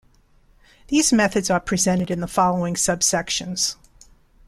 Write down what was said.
These methods are presented in the following subsections.